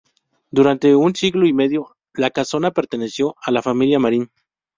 Durante casi un siglo y medio la casona perteneció a la familia Marín.